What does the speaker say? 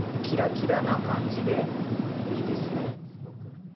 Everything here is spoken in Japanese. きらきらな感じで、いいですね。